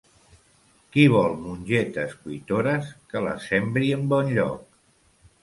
Qui vol mongetes cuitores, que les sembri en bon lloc.